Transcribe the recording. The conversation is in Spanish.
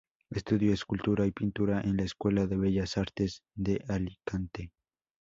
Estudió escultura y pintura en la Escuela de Bellas Artes de Alicante.